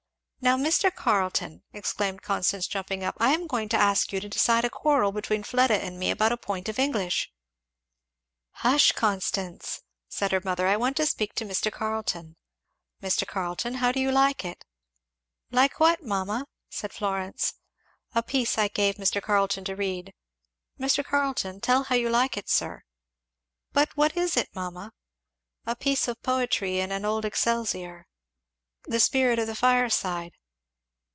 "Now, Mr. Carleton!" exclaimed Constance jumping up, "I am going to ask you to decide a quarrel between Fleda and me about a point of English" "Hush, Constance!" said her mother, "I want to speak to Mr. Carleton Mr. Carleton, how do you like it?" "Like what, mamma?" said Florence. "A piece I gave Mr. Carleton to read. Mr. Carleton, tell how you like it, sir." "But what is it, mamma?" "A piece of poetry in an old Excelsior 'The Spirit of the Fireside.'